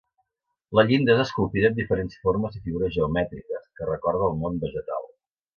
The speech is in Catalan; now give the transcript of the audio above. La llinda és esculpida amb diferents formes i figures geomètriques que recorda el món vegetal.